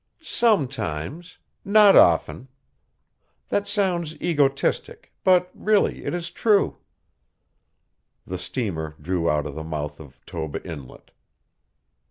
"Sometimes not often. That sounds egotistic, but really it is true." The steamer drew out of the mouth of Toba Inlet.